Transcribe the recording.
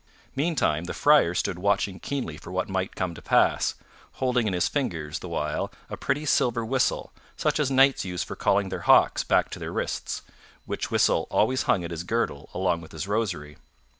Meantime, the Friar stood watching keenly for what might come to pass, holding in his fingers the while a pretty silver whistle, such as knights use for calling their hawks back to their wrists, which whistle always hung at his girdle along with his rosary.